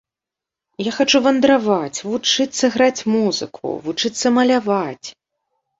Я хачу вандраваць, вучыцца граць музыку, вучыцца маляваць.